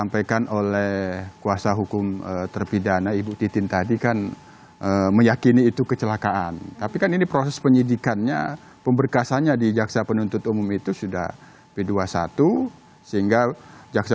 menurut kuasa hukum salah satu kejanggalan yang mencolok adalah pada fakta hasil visum di rumah sakit gunung jawa